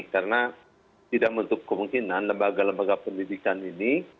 karena tidak menutup kemungkinan lembaga lembaga pendidikan ini